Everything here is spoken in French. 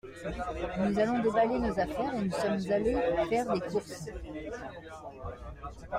Nous avons déballé nos affaires, et nous sommes allés faire des courses.